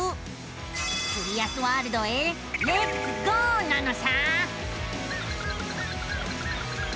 キュリアスワールドへレッツゴーなのさあ。